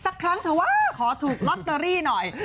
สักครั้งเถอะว่าขอถูกลอตเตอรี่หน่อย